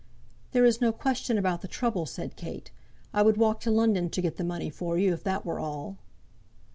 "There is no question about the trouble," said Kate. "I would walk to London to get the money for you, if that were all."